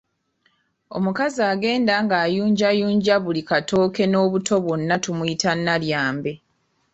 Omukazi agenda ng'ayunjayunja buli katooke n’obuto bwonna tumuyita Nalyambe.